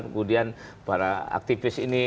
kemudian para aktivis ini